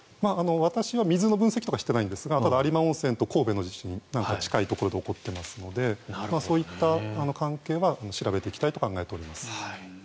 私は水の分析とかはしていないんですがただ、有馬温泉と神戸の地震なんか近いところで起こっていますのでそういった関係は調べていきたいと考えています。